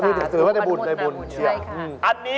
เออนี่จะใส่ว่าเรียนเรียนมันหมดนะ